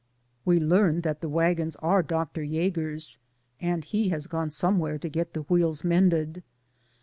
We learned that the wagons are Dr. Yager's, and he has gone somewhere to get the wheels mended.